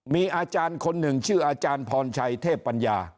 มีอาจารย์คนหนึ่งชื่ออาจารย์พรชัยเทพปัญญา